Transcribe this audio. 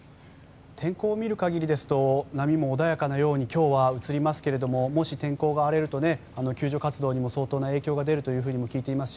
天候を見る限りですと波も穏やかなように映りますがもし天候が荒れると救助活動に相当な影響が出るとも聞いています。